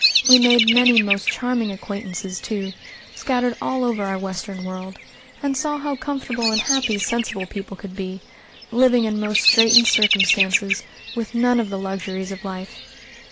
We made many most charming acquaintances, too, scattered all over our Western World, and saw how comfortable and happy sensible people could be, living in most straitened circumstances, with none of the luxuries of life.